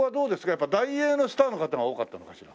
やっぱ大映のスターの方が多かったのかしら。